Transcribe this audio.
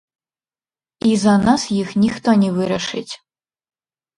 І за нас іх ніхто не вырашыць.